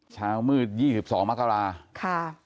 เช้ามืด๒๒มกราศาสตร์